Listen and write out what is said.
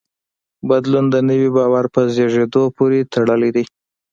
بدلون د نوي باور په زېږېدو پورې تړلی دی.